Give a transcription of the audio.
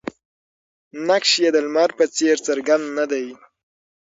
نقش یې د لمر په څېر څرګند نه دی.